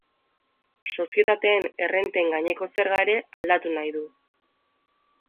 Sozietateen errenten gaineko zerga ere aldatu nahi du.